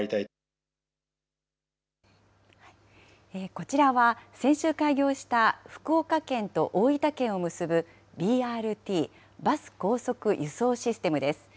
こちらは、先週開業した福岡県と大分県を結ぶＢＲＴ・バス高速輸送システムです。